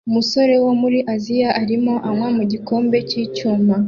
Umusore wo muri Aziya arimo anywa mu gikombe cy'icyuma